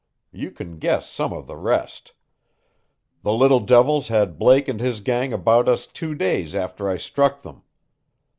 You can guess some of the rest. The little devils had Blake and his gang about us two days after I struck them.